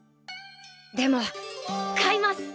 でも買います！